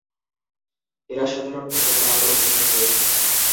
এরা সাধারণত পোকামাকড় খেয়ে থাকে।